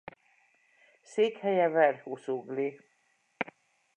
Székhelye Verh-Uszugli.